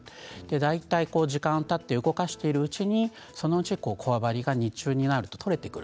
大体時間たって動かしていくうちに、そのうちこわばりが日中になると取れてくる。